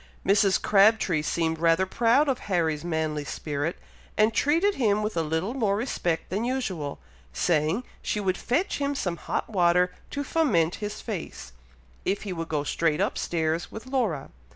Mrs. Crabtree seemed rather proud of Harry's manly spirit, and treated him with a little more respect than usual, saying, she would fetch him some hot water to foment his face, if he would go straight up stairs with Laura.